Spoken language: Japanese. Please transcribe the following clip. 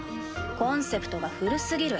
コンセプトが古すぎる。